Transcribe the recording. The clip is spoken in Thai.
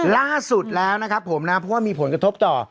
ล่าสุดแล้วเพราะว่ามีผลกระทบต่อ